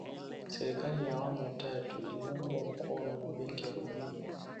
serikali ya awamu ya tatu iliungwa mkono na benki ya dunia